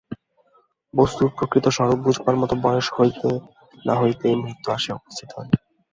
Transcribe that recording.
বস্তুর প্রকৃত স্বরূপ বুঝিবার মত বয়স হইতে না হইতে মৃত্যু আসিয়া উপস্থিত হয়।